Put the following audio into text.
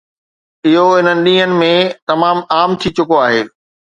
اهو انهن ڏينهن ۾ تمام عام ٿي چڪو آهي